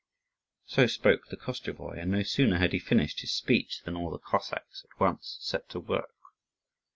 So spoke the Koschevoi; and no sooner had he finished his speech than all the Cossacks at once set to work.